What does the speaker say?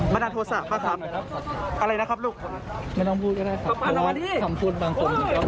บ้านาโทสะบ้านลูกอะไรนะครับลูก